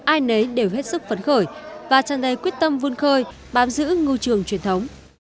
ai nấy đều hết sức phấn khởi và chẳng đầy quyết tâm vươn khơi bám giữ ngư trường truyền thống